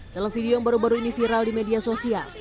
dalam video yang baru baru ini viral di media sosial